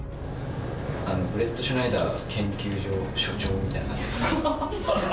ブレットシュナイダー研究所所長みたいな感じです。